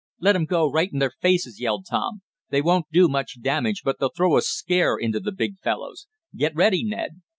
"Let 'em go right in their faces!" yelled Tom. "They won't do much damage, but they'll throw a scare into the big fellows! Get ready, Ned!"